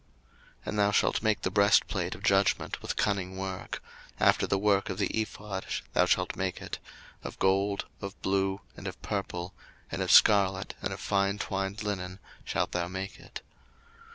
02:028:015 And thou shalt make the breastplate of judgment with cunning work; after the work of the ephod thou shalt make it; of gold, of blue, and of purple, and of scarlet, and of fine twined linen, shalt thou make it.